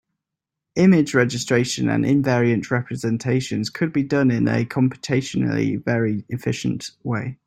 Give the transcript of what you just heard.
Image registration and invariant representations could both be done in a computationally very efficient way.